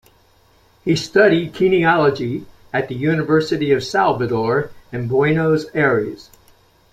He studied kineology at the University of Salvador in Buenos Aires.